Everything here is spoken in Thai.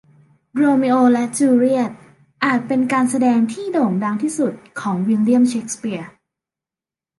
โรมิโอและจูเลียตอาจเป็นการแสดงที่โด่งดังที่สุดของวิลเลียมเชกสเปียร์